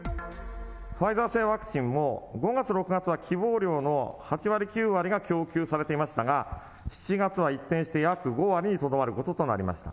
ファイザー製ワクチンも５月、６月は希望量の８割、９割が供給されていましたが、７月は一転して、約５割にとどまることとなりました。